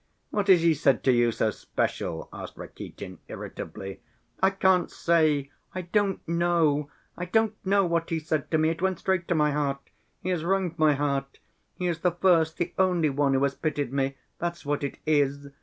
"What has he said to you so special?" asked Rakitin irritably. "I can't say, I don't know. I don't know what he said to me, it went straight to my heart; he has wrung my heart.... He is the first, the only one who has pitied me, that's what it is.